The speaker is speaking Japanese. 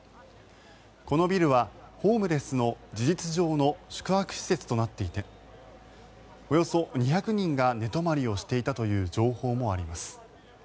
このビルはホームレスの事実上の宿泊施設となっていておよそ２００人が寝泊まりをしていたという情報もあります。